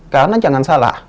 karena jangan salah